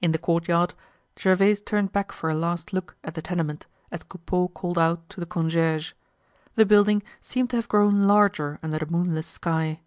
In the courtyard, Gervaise turned back for a last look at the tenement as Coupeau called out to the concierge. The building seemed to have grown larger under the moonless sky.